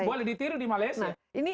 boleh ditiru di malaysia